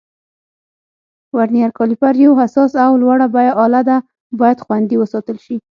ورنیر کالیپر یو حساس او لوړه بیه آله ده، باید خوندي وساتل شي.